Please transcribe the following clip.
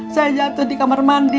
saya jatuh di kamar mandi